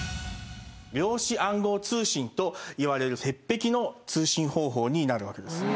量子暗号通信といわれる鉄壁の通信方法になるわけです。